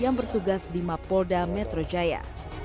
yang bertugas di mapolda metro jaya